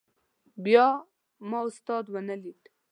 بیا ما استاد ونه لید.